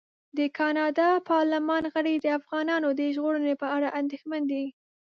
د کاناډا پارلمان غړي د افغانانو د ژغورنې په اړه اندېښمن دي.